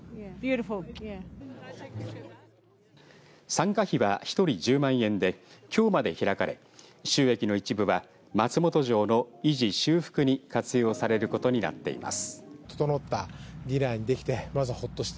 参加費は１人１０万円できょうまで開かれ収益の一部は松本城の維持修復に活用されることになっています。